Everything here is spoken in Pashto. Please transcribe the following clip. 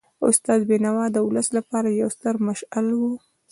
استاد بینوا د ولس لپاره یو ستر مشعل و.